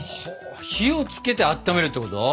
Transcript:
火をつけてあっためるってこと？